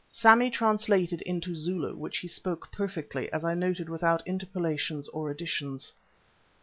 Sammy translated into Zulu, which he spoke perfectly, as I noted without interpolations or additions.